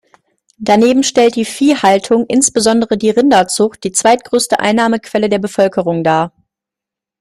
Daneben stellt die Viehhaltung, insbesondere die Rinderzucht, die zweitgrößte Einnahmequelle der Bevölkerung dar.